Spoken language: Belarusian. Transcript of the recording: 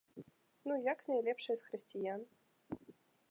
Ну, як найлепшыя з хрысціян?